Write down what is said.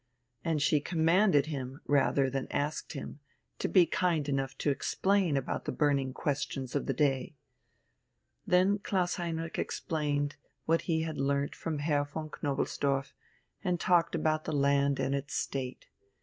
And she commanded him rather than asked him to be kind enough to explain about the burning questions of the day. Then Klaus Heinrich explained what he had learnt from Herr von Knobelsdorff, and talked about the land and its state.